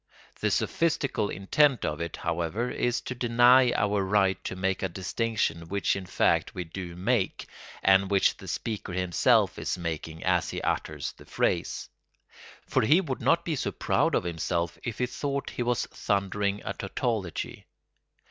The sophistical intent of it, however, is to deny our right to make a distinction which in fact we do make and which the speaker himself is making as he utters the phrase; for he would not be so proud of himself if he thought he was thundering a tautology.